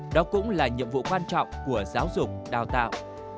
đó cũng là nhiệm vụ quan trọng của giáo dục đào tạo